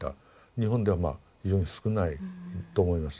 日本ではまあ非常に少ないと思います。